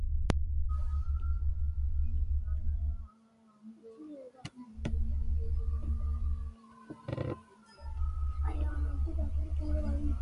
Giuseppe was born in Messina and trained in Naples under Francesco Solimena.